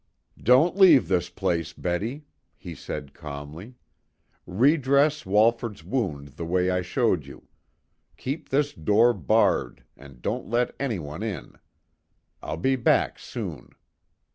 "Don't leave this place, Betty," he said calmly. "Redress Walford's wound the way I showed you. Keep this door barred, and don't let any one in. I'll be back soon."